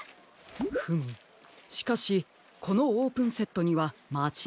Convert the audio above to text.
フムしかしこのオープンセットにはまちがいがありますね。